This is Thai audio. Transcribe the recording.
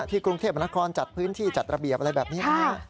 ที่กรุงเทพฯบรรทกรจัดพื้นที่จัดระเบียบอะไรแบบนี้